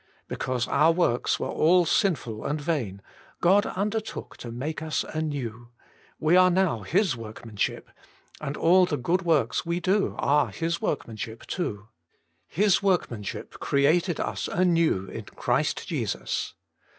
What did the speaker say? Be cause our works were all sinful and vain, God undertook to make us anew — we are now His workmanship, and all the good works we do are His workmanship too. ' His workmanship, created us anew in Christ Jesus.'